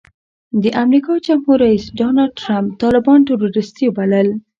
د امریکا جمهور رئیس ډانلډ ټرمپ طالبان ټروریسټي بلل.